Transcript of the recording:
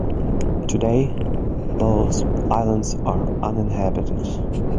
Today, both islands are uninhabited.